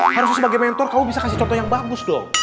harusnya sebagai mentor kamu bisa kasih contoh yang bagus dong